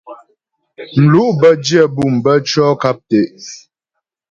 Mlu' bə́ dyə bûm tʉɔ̂ nkap tɛ'.